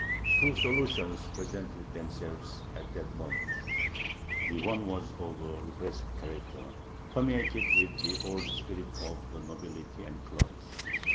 Two solutions presented themselves at that moment. The one was of a repressive character, permeated with the old spirit of the nobility and clergy.